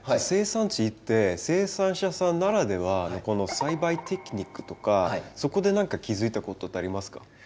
生産地行って生産者さんならではのこの栽培テクニックとかそこで何か気付いたことってありますか？